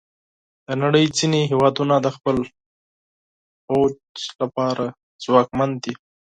د نړۍ ځینې هیوادونه د خپل پوځ لپاره ځواکمن دي.